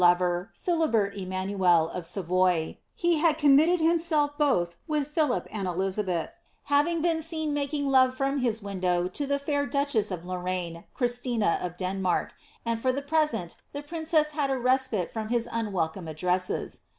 er, Duel, of SaToy, he had committed hhmelf both with Philip and £lifli> beth, having been seen making love from his window to the hit dneheai of Lorraine, Qiristina of Denmarii;' and for the preKnt the prineeas had a respite from his nuwekome addresses.